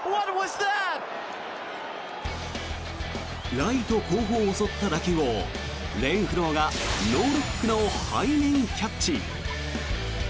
ライト後方を襲った打球をレンフローがノールックの背面キャッチ。